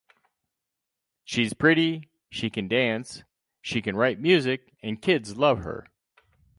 She's pretty, she can dance, she can write music, and kids love her.